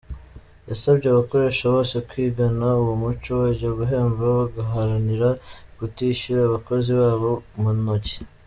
Yasabye abakoresha bose kwigana uwo muco, bajya guhemba bagaharanira kutishyura abakozi babo mu ntoki.